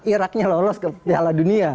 irak nya lolos ke piala dunia